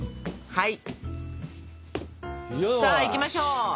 はい！